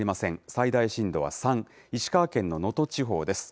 最大震度は３、石川県の能登地方です。